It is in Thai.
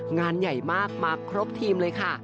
งานใหญ่มากมาครบทีมเลยค่ะ